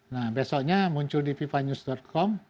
nah besoknya muncul di pipanyus com